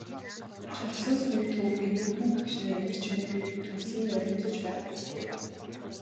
Жаргалан сумын төв энүүхэн агшны анир чимээгүйд дүнсийн нойрмоглож байгаа мэтээ.